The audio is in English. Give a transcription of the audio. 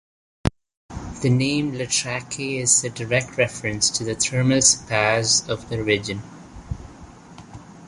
The name "Loutraki" is a direct reference to the thermal spas of the region.